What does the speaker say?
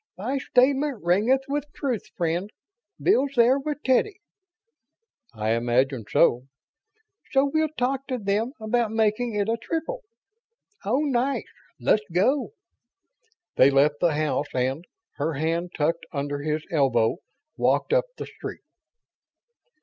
"Thy statement ringeth with truth, friend. Bill's there with Teddy?" "I imagine so." "So we'll talk to them about making it a triple. Oh, nice let's go!" They left the house and, her hand tucked under his elbow, walked up the street.